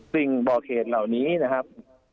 สิ่งบอกเหตุเหล่านี้นะครับ